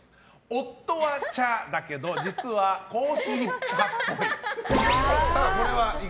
夫は茶だけど実はコーヒー派っぽい。